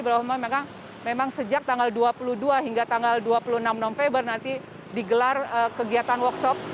bahwa memang sejak tanggal dua puluh dua hingga tanggal dua puluh enam november nanti digelar kegiatan workshop